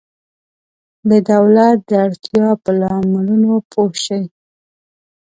د دولت د اړتیا په لاملونو پوه شئ.